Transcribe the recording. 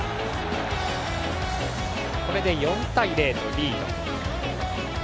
これで４対０とリード。